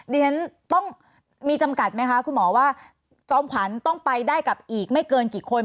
ดิฉันต้องมีจำกัดไหมคะคุณหมอว่าจอมขวัญต้องไปได้กับอีกไม่เกินกี่คน